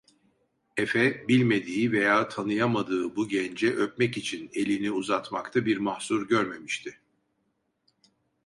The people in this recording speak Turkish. Efe bilmediği veya tanıyamadığı bu gence öpmek için elini uzatmakta bir mahzur görmemişti.